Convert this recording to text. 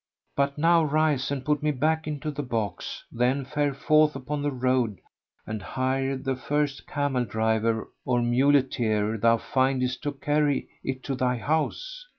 But now rise and put me back into the box; then fare forth upon the road and hire the first camel driver or muleteer thou findest to carry it to thy house.